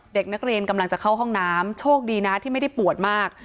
เด็กนักเรียนกำลังจะเข้าห้องน้ำโชคดีนะที่ไม่ได้ปวดมาก